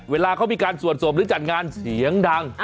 เวลาเขามีการสวดศพหรือจัดงานเสียงดัง